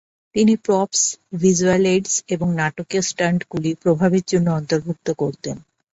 তিনি props, visual aids, এবং নাটকীয় স্টান্টগুলি প্রভাবের জন্য অন্তর্ভুক্ত করতেন।